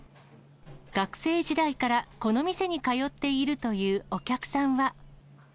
学生時代からこの店に通っているというお客さんは。